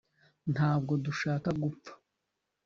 ntabwo dushaka gupfa